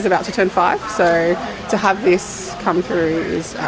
jadi membuat ini berjalan jalan adalah sangat luar biasa